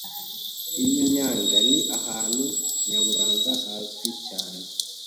Iyi nyanja ni ahantu nyaburanga hazwi cyane.